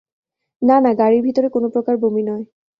না না, গাড়ির ভিতরে কোনো প্রকার বমি নয়।